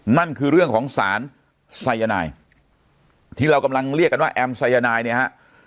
นั่นคือเรื่องของสารสายนายที่เรากำลังเรียกกันว่าแอมสายนายเนี่ยฮะ